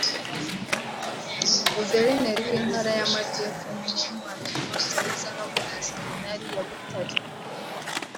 Guverineri w’intara y’Amajyepfo Munyentwari Alphonse wize no mu iseminari ya Butare